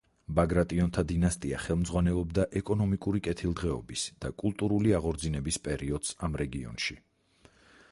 ბაგრატიონთა დინასტია ხელმძღვანელობდა ეკონომიკური კეთილდღეობის და კულტურული აღორძინების პერიოდს ამ რეგიონში.